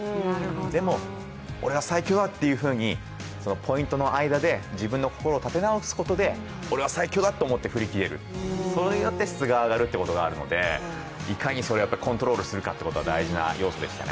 でもて俺は最強だっていうふうにポイントの間で、自分の心を立て直すことで俺は最強だと思って振り切れる、それによって質が上がるということがあるのでいかにそれをコントロールするかが大事な要素でしたね。